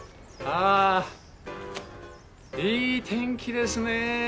あいい天気ですね。